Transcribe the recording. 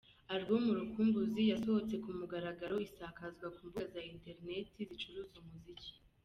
Album ‘Urukumbuzi’ yasohotse ku mugaragaro isakazwa ku mbuga za internet zicuruza umuziki.